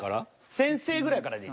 先生ぐらいからでいい。